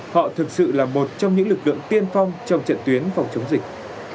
họ thực sự là một trong những lực lượng tiên phong trong trận tuyến phòng chống dịch